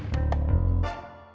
bersatu kembali seperti di masa lalu